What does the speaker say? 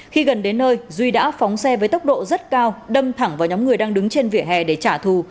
khi gần đến nơi duy đã phóng xe với tốc độ rất cao đâm thẳng vào nhóm người đang đứng trên vỉa hè để trả thù